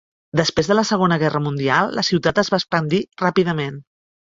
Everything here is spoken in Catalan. Després de la segona guerra mundial, la ciutat es va expandir ràpidament.